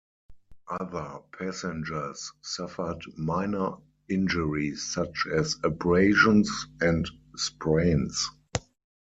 Other passengers suffered minor injuries such as abrasions and sprains.